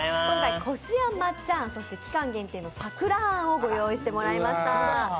今回、こしあん、抹茶あんそして期間限定の桜あんを御用意してもらいました。